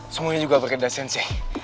semuanya juga berkendara sensei